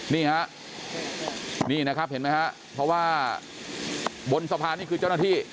นี่ฮะนี่นะครับเห็นไหมฮะเพราะว่าบนสะพานนี่คือเจ้าหน้าที่